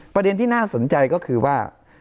ประเด็นที่น่าสนใจก็คือว่า